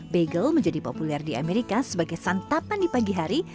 bagel menjadi populer di amerika sebagai santapan di pagi hari